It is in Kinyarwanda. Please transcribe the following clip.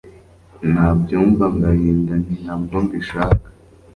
nabyumva ngahinda nti ntabwo mbishaka